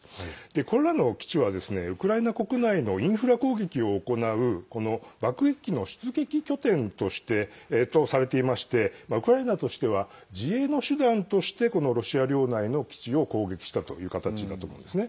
これらの基地はウクライナ国内のインフラ攻撃を行うこの爆撃機の出撃拠点とされていましてウクライナとしては自衛の手段としてロシア領内の基地を攻撃したという形だと思うんですね。